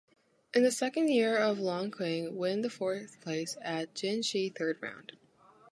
In the second year of Longqing, win the fourth place at Jinshi third round.